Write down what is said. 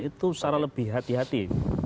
itu secara lebih hati hati